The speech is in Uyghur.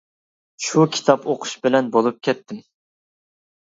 -شۇ كىتاب ئوقۇش بىلەن بولۇپ كەتتىم.